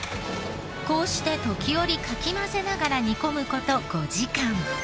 こうして時折かき混ぜながら煮込む事５時間。